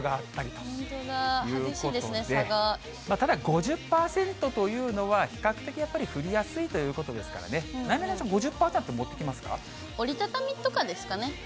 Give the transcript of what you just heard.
本当ですね、激しいですね、ただ、５０％というのは、比較的やっぱり降りやすいということですからね、なえなのちゃん、５０％だったら、折り畳みとかですかね。